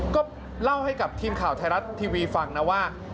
ก็เล่าให้กับทีมข่าวไทยรัฐทีวีฟังนะว่า